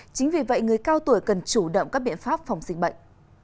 chính vì vậy người cao tuổi cần chủ động các biện pháp phòng dịch bệnh